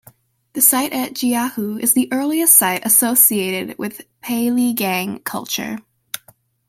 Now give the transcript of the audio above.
The site at Jiahu is the earliest site associated with Peiligang culture.